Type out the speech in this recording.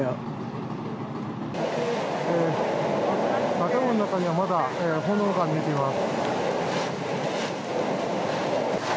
建物の中にはまだ炎が見えています。